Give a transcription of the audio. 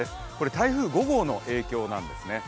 台風５号の影響なんですね。